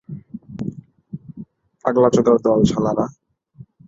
পাগলাচোদার দল, শালারা।